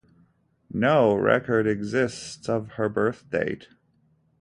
No record exists of her birth date.